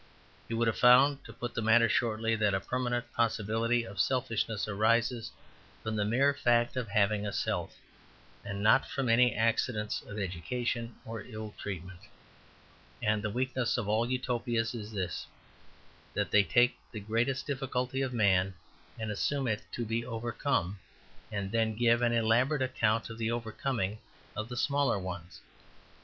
He would have found, to put the matter shortly, that a permanent possibility of selfishness arises from the mere fact of having a self, and not from any accidents of education or ill treatment. And the weakness of all Utopias is this, that they take the greatest difficulty of man and assume it to be overcome, and then give an elaborate account of the overcoming of the smaller ones.